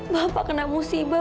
bapak kena musibah